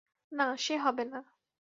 না, সে হবে না।